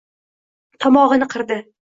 Tomog‘ini qirdi.